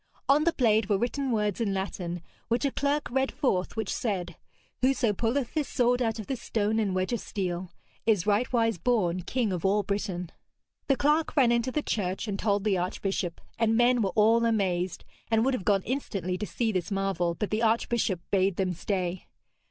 On the blade were written words in Latin, which a clerk read forth, which said, 'Whoso pulleth this sword out of this stone and wedge of steel is rightwise born King of all Britain.' The clerk ran into the church and told the archbishop, and men were all amazed and would have gone instantly to see this marvel, but the archbishop bade them stay.